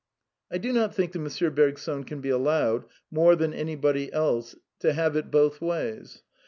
I do not think that M. Bergson can be allowed, more than anybody else, to have it both ways.